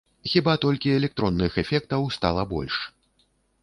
Хіба толькі электронных эфектаў стала больш.